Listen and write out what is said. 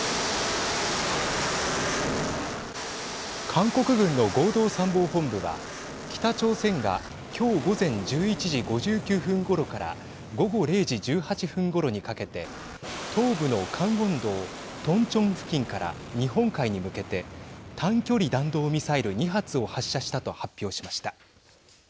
韓国軍の合同参謀本部は北朝鮮が今日午前１１時５９分ごろから午後０時１８分ごろにかけて東部のカンウォン道トンチョン付近から日本海に向けて短距離弾道ミサイル２発を発射したと発表しました。